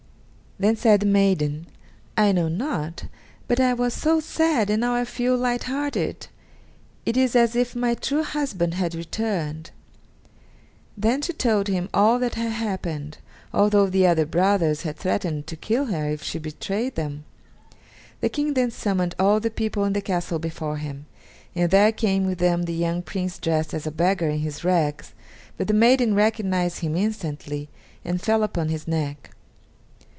Then said the maiden: "I know not, but I was so sad, and now I feel light hearted; it is as if my true husband had returned." Then she told him all that had happened, although the other brothers had threatened to kill her if she betrayed them. The King then summoned all the people in the castle before him: and there came with them the young Prince dressed as a beggar in his rags, but the maiden recognized him instantly and fell upon his neck.